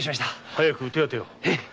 早く手当てを。